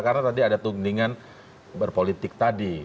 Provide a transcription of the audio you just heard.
karena tadi ada tudingan berpolitik tadi